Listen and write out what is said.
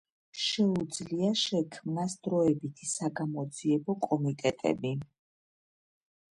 შეუძლია შექმნას დროებითი საგამოძიებო კომიტეტები.